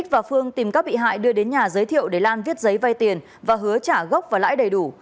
và phương tìm các bị hại đưa đến nhà giới thiệu để lan viết giấy vay tiền và hứa trả gốc và lãi đầy đủ